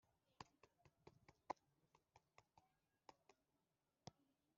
ihangane niba nakubwiye "tennis" ni ibicucu. sinifuzaga ko ugenda.